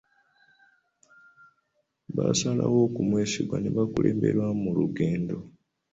Baasalawo okumwesiga n'abakulemberamu mu lugendo.